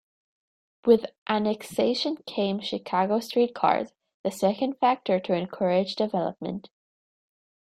With annexation came Chicago street cars, the second factor to encourage development.